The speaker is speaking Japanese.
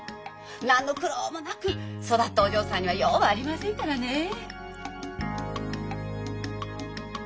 何の苦労もなく育ったお嬢さんには用はありませんからねえ。